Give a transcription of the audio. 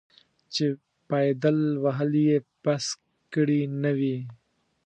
چې پایدل وهل یې بس کړي نه وي.